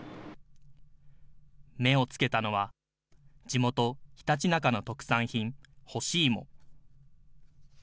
目をつけたのは、地元、ひたちなかの特産品、ほしいも。